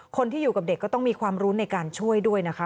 คนที่อยู่กับเด็กก็ต้องมีความรู้ในการช่วยด้วยนะคะ